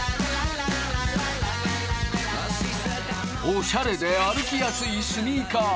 おしゃれで歩きやすいスニーカー。